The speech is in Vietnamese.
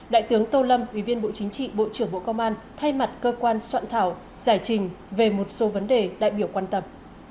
đại tướng tô lâm ủy viên bộ chính trị bộ trưởng bộ công an thay mặt cơ quan soạn thảo giải trình về một số vấn đề đại biểu quan tâm